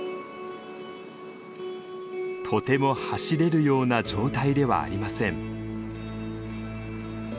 とても走れるような状態ではありません。